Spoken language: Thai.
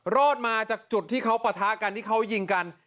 รอดมาจากจุดที่เขาปะทะกันที่เขายิงกัน